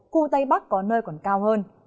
khu tây bắc có nơi còn cao hơn